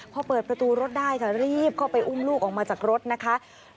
พอเปิดประตูรถได้ค่ะรีบเข้าไปอุ้มลูกออกมาจากรถนะคะ